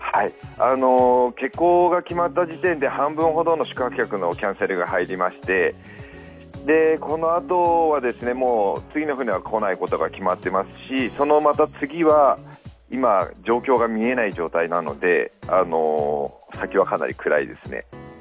欠航が決まった時点で半分ほどの宿泊客のキャンセルが入りまして、このあとはもう次の船は来ないことが決まっていますし、そのまた次は今、状況が見えない状態なので先はかなりくらいですね。